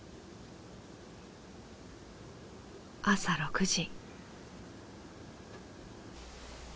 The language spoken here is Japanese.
朝６時。